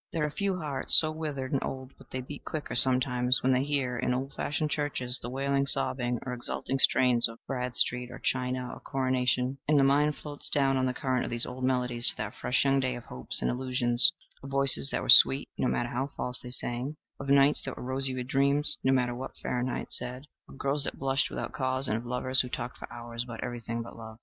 There are few hearts so withered and old but they beat quicker sometimes when they hear, in old fashioned churches, the wailing, sobbing or exulting strains of "Bradstreet" or "China" or "Coronation;" and the mind floats down on the current of these old melodies to that fresh young day of hopes and illusions of voices that were sweet, no matter how false they sang of nights that were rosy with dreams, no matter what Fahrenheit said of girls that blushed without cause, and of lovers who talked for hours about everything but love.